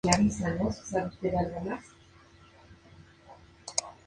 Tuvo problemas con su club ya que no le pagaban y decidió rescindir contrato.